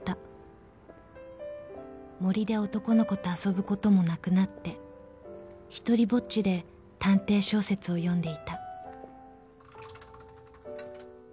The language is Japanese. ［森で男の子と遊ぶこともなくなって独りぼっちで探偵小説を読んでいた］